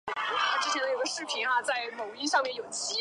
郭从谦本是伶人。